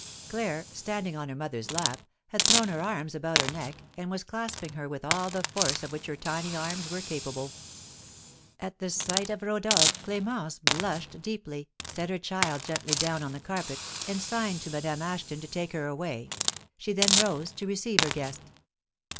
Claire, standing on her mother's lap, had thrown her arms about her neck, and was clasping her with all the force of which her tiny arms were capable. At the sight of Rodolph, Clémence blushed deeply, set her child gently down on the carpet, and signed to Madame Ashton to take her away; she then rose to receive her guest.